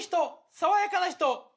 爽やかな人！」。